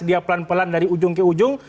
dia pelan pelan dari ujung ke ujung